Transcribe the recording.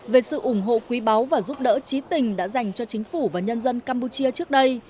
về sự ủng hộ quý báu và giúp đỡ trí tình đã dành cho chính phủ và nhân dân campuchia trước đây